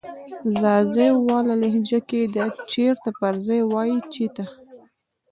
ځاځيواله لهجه کې د "چیرته" پر ځای وایې "چیته"